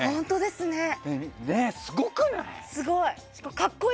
すごい。